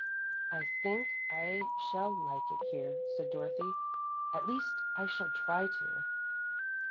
"I think I shall like it here," said Dorothy. "At least I shall try to."